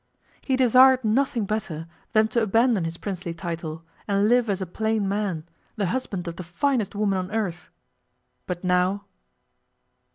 He desired nothing better than to abandon his princely title, and live as a plain man, the husband of the finest woman on earth.... But now!...